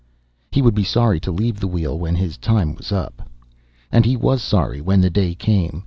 He would be sorry to leave the Wheel when his time was up. And he was sorry, when the day came.